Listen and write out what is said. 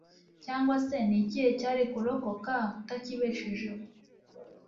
cyangwa se n'ikihe cyari kurokoka utakibeshejeho